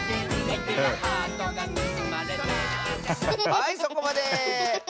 はいそこまで！